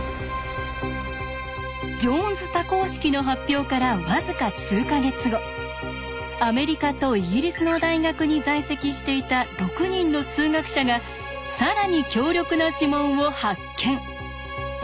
ジョーンズ多項式の発表から僅か数か月後アメリカとイギリスの大学に在籍していた６人の数学者が更に強力な指紋を発見。